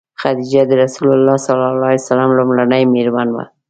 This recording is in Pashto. خدیجه د رسول الله ﷺ لومړنۍ مېرمن وه.